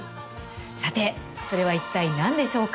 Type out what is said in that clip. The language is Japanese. さてそれは一体何でしょうか？